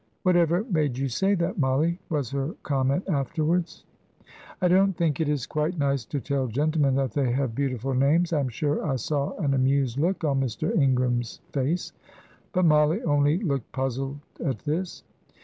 "Whatever made you say that, Mollie?" was her comment afterwards. "I don't think it is quite nice to tell gentlemen that they have beautiful names. I am sure I saw an amused look on Mr. Ingram's face." But Mollie only looked puzzled at this.